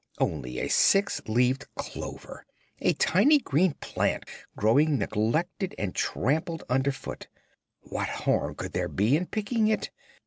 Only a six leaved clover! A tiny green plant growing neglected and trampled under foot. What harm could there be in picking it?